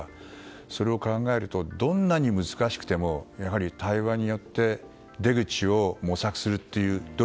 それを考えるとどんなに難しくてもやはり対話によって出口を模索する努力